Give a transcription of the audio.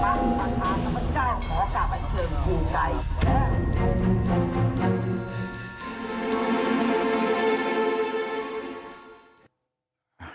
ท่านฟังประธานมันเจ้าขอกลับมาเชิงครูไกรแก้ว